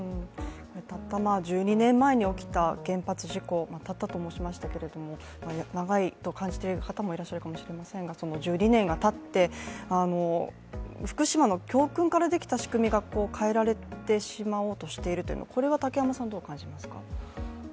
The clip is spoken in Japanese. たった１２年前に起きた原発事故を「たった」と申しましたけれども、長いと感じている方もいらっしゃるかもしれませんが１２年がたって、福島の教訓からできた仕組みが変えられてきていることはこれはどう感じますか。